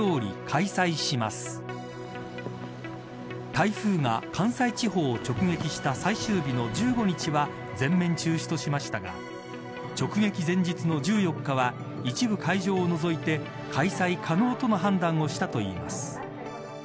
台風が関西地方を直撃した最終日の１５日は全面中止としましたが直撃前日の１４日は一部会場を除いて開催可能との判断をしたといいます。